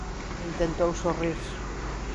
E intentou sorrir.